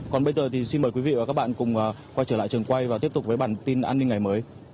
còn bây giờ thì xin mời quý vị và các bạn cùng quay trở lại trường quay và tiếp tục với bản tin an ninh ngày mới